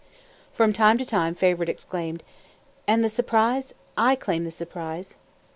From time to time Favourite exclaimed:— "And the surprise? I claim the surprise."